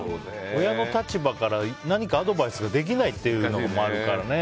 親の立場から何かアドバイスができないっていうのもあるからね。